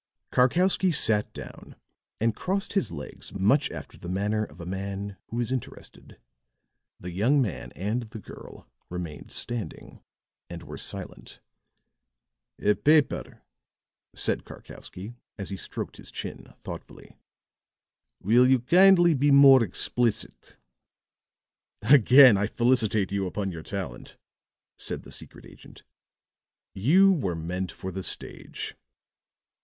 Karkowsky sat down and crossed his legs much after the manner of a man who is interested. The young man and the girl remained standing and were silent. "A paper," said Karkowsky, as he stroked his chin, thoughtfully. "Will you kindly be more explicit?" "Again I felicitate you upon your talent," said the secret agent; "you were meant for the stage."